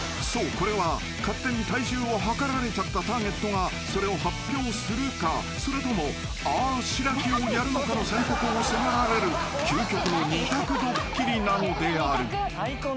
これは勝手に体重を量られちゃったターゲットがそれを発表するかそれともあぁしらきをやるのかの選択を迫られる究極の２択ドッキリなのである］